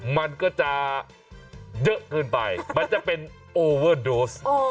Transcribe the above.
มันก็จะเยอะเกินไปมันจะเป็นโอเวอร์โดส